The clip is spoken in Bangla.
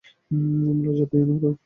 লজ্জা পেও না, রয়।